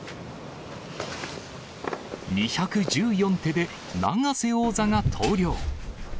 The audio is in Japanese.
２１４手で、永瀬王座が投了。